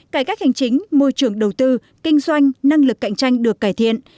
cải cách hành chính môi trường đầu tư kinh doanh năng lực cạnh tranh được cải thiện